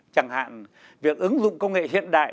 chẳng hạn việc ứng dụng công nghệ hiện đại